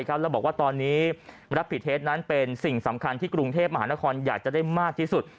แล้วบอกว่าตอนนี้รับผิดเทสนั้นเป็นสิ่งสำคัญที่กรุงเทพมหานครอยากจะได้มากที่สุด